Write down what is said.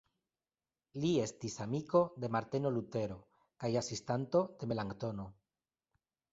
Li estis amiko de Marteno Lutero kaj asistanto de Melanktono.